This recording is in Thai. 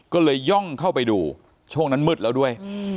ก็เลยย่องเข้าไปดูช่วงนั้นมืดแล้วด้วย